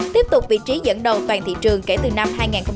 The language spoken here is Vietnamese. tiếp tục vị trí dẫn đầu toàn thị trường kể từ năm hai nghìn một mươi